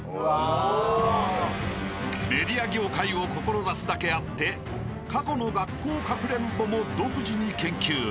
［メディア業界を志すだけあって過去の学校かくれんぼも独自に研究］